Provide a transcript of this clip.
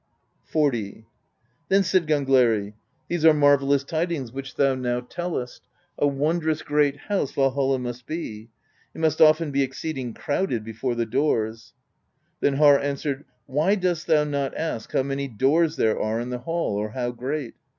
XL. Then said Gangleri: "These are marvellous tidings which thou now tellest. A wondrous great house Valhall must be; it must often be exceeding crowded before the doors." Then Harr answered: "Why dost thou not ask how many doors there are in the hall, or how great?